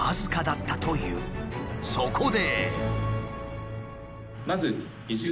そこで。